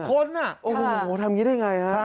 ๖คนทำอย่างนี้ได้อย่างไร